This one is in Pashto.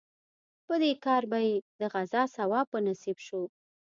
په دې کار به یې د غزا ثواب په نصیب شو.